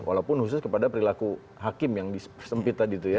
walaupun khusus kepada perilaku hakim yang disempit tadi itu ya